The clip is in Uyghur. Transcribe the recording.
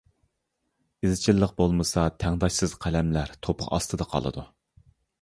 ئىزچىللىق بولمىسا تەڭداشسىز قەلەملەر توپا ئاستىدا قالىدۇ!